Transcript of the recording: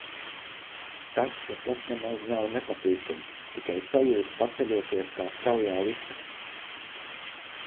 Tas, ka tas nemaz nav nepatīkami, tikai sajūta paceļoties kā straujā liftā.